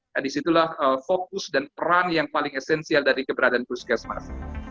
nah disitulah fokus dan peran yang paling esensial dari keberadaan puskesmas